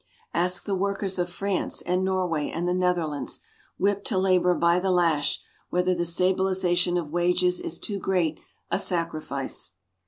Ask the workers of France and Norway and the Netherlands, whipped to labor by the lash, whether the stabilization of wages is too great a "sacrifice."